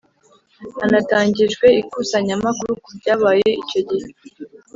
Hanatangijwe ikusanyamakuru ku byabaye icyo gihe